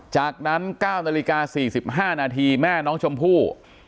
จากนั้น๙นาฬิกา๔๕นาทีแม่น้องชมพู่